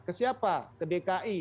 ke siapa ke dki